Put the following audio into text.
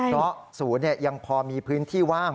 เพราะศูนย์ยังพอมีพื้นที่ว่าง